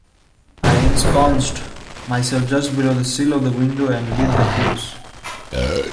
I ensconced myself just below the sill of the window, and lit the fuse.